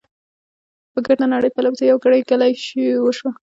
په ګرده نړۍ، پرله پسې، يوه ګړۍ، ګلۍ وشوه .